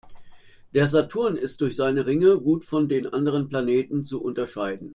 Der Saturn ist durch seine Ringe gut von den anderen Planeten zu unterscheiden.